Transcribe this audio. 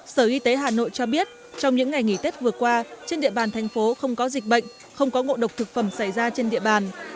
sở y tế hà nội cho biết trong những ngày nghỉ tết vừa qua trên địa bàn thành phố không có dịch bệnh không có ngộ độc thực phẩm xảy ra trên địa bàn